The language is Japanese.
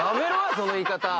その言い方。